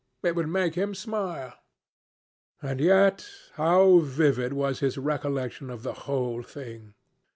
It would make him smile. And, yet, how vivid was his recollection of the whole thing!